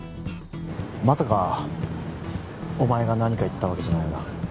まさかお前が何か言ったわけじゃないよな？